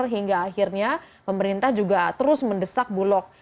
hingga akhirnya pemerintah juga terus mendesak bulog